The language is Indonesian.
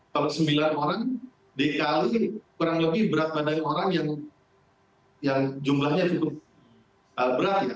kalau sembilan orang dikali kurang lebih berat badan orang yang jumlahnya cukup berat ya